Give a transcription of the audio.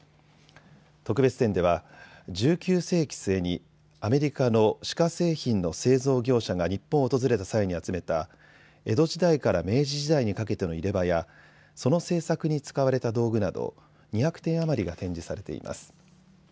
特別展では１９世紀末にアメリカの歯科製品の製造業者が日本を訪れた際に集めた江戸時代から明治時代にかけての入れ歯やその製作に使われた道具など２００点余りが展示されています。